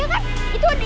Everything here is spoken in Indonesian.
yang bener itu dia